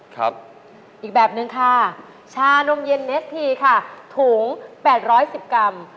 ครับอีกแบบนึงค่ะชานมเย็นเนสพีค่ะถุงแปดร้อยสิบกรัม